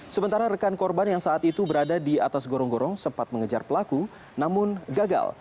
sementara rekan korban yang saat itu berada di atas gorong gorong sempat mengejar pelaku namun gagal